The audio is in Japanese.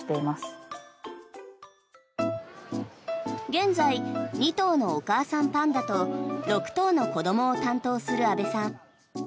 現在、２頭のお母さんパンダと６頭の子どもを担当する阿部さん。